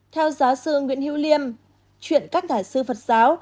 theo giáo sư nguyễn hiếu liêm chuyện các thải sư phật giáo